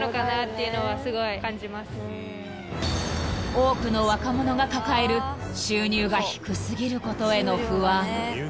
［多くの若者が抱える収入が低過ぎることへの不安］